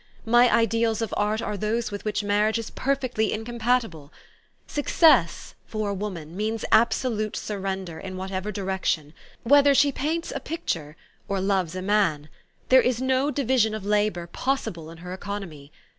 My ideals of art are those with which marriage is perfectly incompatible. Success for a woman means absolute surrender, in whatever direction. Whether she paints a picture, or loves a man, there is no division of labor possible in her economy.